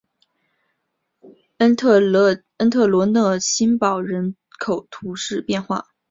恩特罗讷新堡人口变化图示